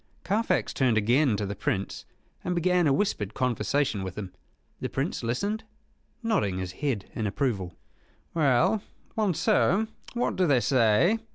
Carfax turned again to the Prince, and began a whispered conversation with him. The Prince listened, nodding his head in approval. "Well, Monceux, what do they say?"